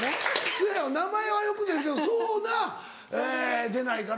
そうやわ名前はよく出るけどそうな出ないから。